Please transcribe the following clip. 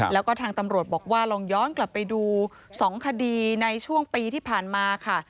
แล้วก็ทางตำรวจบอกว่าลองย้อนกลับไปดู๒คดีในช่วงปีที่ผ่านมาค่ะ